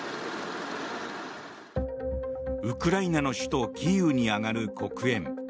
ウクライナの首都キーウに上がる黒煙。